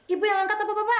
ibu yang angkat bapak bapak